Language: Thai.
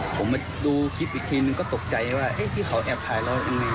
ผมมาดูคลิปอีกทีนึงก็ตกใจว่าที่เขาแอบถ่ายแล้ว